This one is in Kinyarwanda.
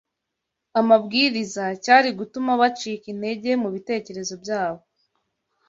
amabwiriza cyari gutuma bacika intege mu bitekerezo byabo